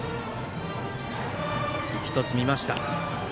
１つ、外しました。